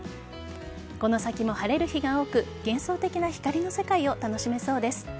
この先も晴れる日が多く幻想的な光の世界を楽しめそうです。